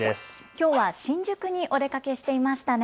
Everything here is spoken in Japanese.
きょうは新宿にお出かけしていましたね。